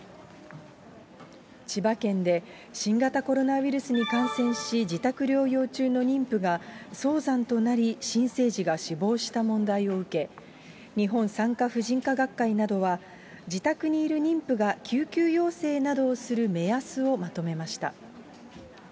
千葉県で、新型コロナウイルスに感染し、自宅療養中の妊婦が、早産となり新生児が死亡した問題を受け、日本産科婦人科学会などは、自宅にいる妊婦が救急要請などをする目安をまとめました。